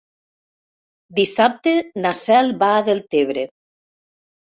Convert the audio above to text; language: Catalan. Dissabte na Cel va a Deltebre.